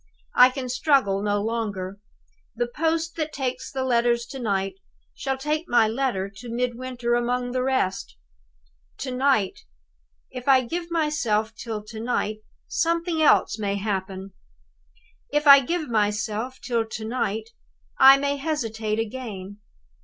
I can struggle no longer. The post that takes the letters to night shall take my letter to Midwinter among the rest. "To night! If I give myself till to night, something else may happen. If I give myself till to night, I may hesitate again.